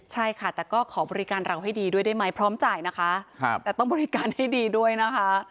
ใช่ค่ะแต่ก็ขอบริการเราให้ดีด้วยได้ไหมพร้อมจ่ายนะคะแต่ต้องบริการให้ดีด้วยนะคะ